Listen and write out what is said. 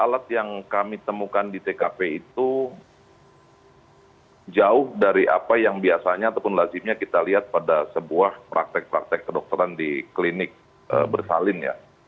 alat yang kami temukan di tkp itu jauh dari apa yang biasanya ataupun lazimnya kita lihat pada sebuah praktek praktek kedokteran di klinik bersalin ya